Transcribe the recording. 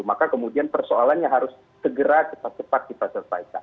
maka kemudian persoalannya harus segera cepat cepat kita selesaikan